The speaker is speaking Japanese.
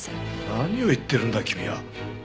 何を言ってるんだ君は。